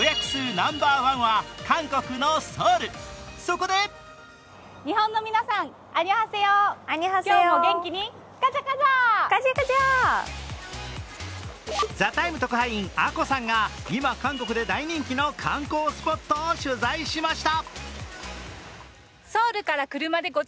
ナンバーワンは韓国のソウル、そこで「ＴＨＥＴＩＭＥ，」特派員あこさんが今韓国で大人気の観光スポットを取材しました。